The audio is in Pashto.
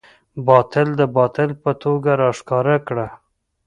باطل د باطل په توګه راښکاره کړه.